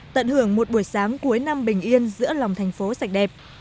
tận hưởng một buổi sáng cuối năm bình yên giữa lòng thành phố sạch đẹp